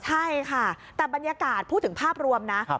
ใช่ค่ะแต่บรรยากาศพูดถึงภาพรวมนะ